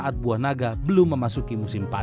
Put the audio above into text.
ketika kebun jeruk di banyuwangi selatan